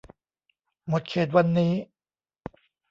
หมดเขตวันนี้